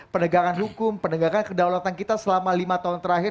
pendegangan hukum pendegangan kedaulatan kita selama lima tahun terakhir